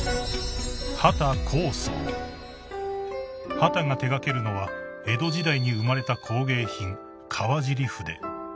［畑が手掛けるのは江戸時代に生まれた工芸品川尻筆］